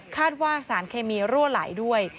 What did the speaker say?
ว่าสารเคมีรั่วไหลด้วย